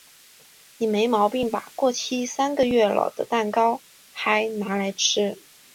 你没毛病吧？过期三个月了的蛋糕嗨拿来吃？